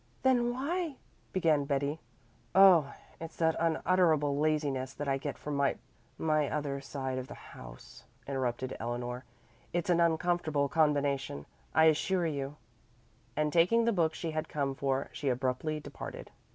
"Then why " began Betty. "Oh, that's the unutterable laziness that I get from my from the other side of the house," interrupted Eleanor. "It's an uncomfortable combination, I assure you," and taking the book she had come for, she abruptly departed.